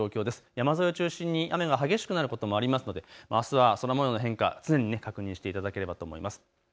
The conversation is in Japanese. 山沿いを中心に雨が激しくなることもありますのであすは空もようの変化常に確認していただければと思います。